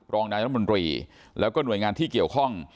รองนายรัฐมนตรีแล้วก็หน่วยงานที่เกี่ยวข้อง